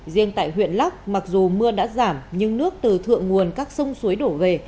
riêng tại huyện lắc mặc dù mưa đã giảm nhưng nước từ thượng nguồn các sông suối đổ về